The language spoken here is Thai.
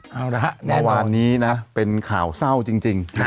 เมื่อวานนี้นะเป็นข่าวเศร้าจริง